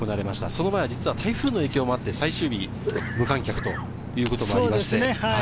その前、実は台風の影響もあって、最終日無観客ということもありました。